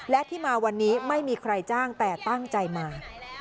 และที่มาวันนี้ไม่มีใครจ้างแต่ตั้งใจมา